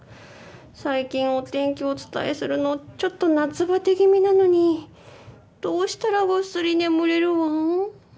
最近お天気をお伝えするのちょっと夏バテ気味なのにどうしたらぐっすり眠れるワン。